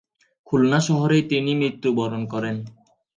খুলনা শহরেই তিনি মৃত্যুবরণ করেন।